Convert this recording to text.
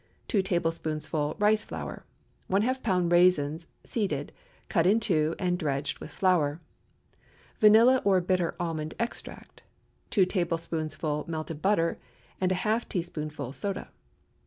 2 tablespoonfuls rice flour. ½ lb. raisins seeded, cut in two, and dredged with flour. Vanilla or bitter almond extract. 2 tablespoonfuls melted butter, and a half teaspoonful soda.